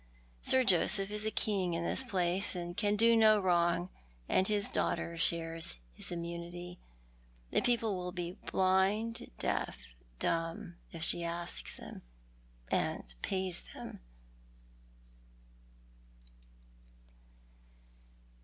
Sir Joseph is a king in this place, and can do no wrong; and his daughter shares his innnunity. Tiio people will be blind, deaf, dumb, if she asks them — and pays them." 136 TJioic art the Man.